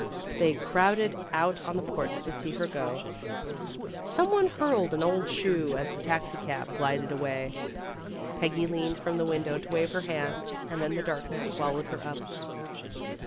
They crowded out on the porch to see her go. Some one hurled an old shoe as the taxi cab glided away. Peggy leaned from the window to wave her hand, and then the darkness swallowed her up.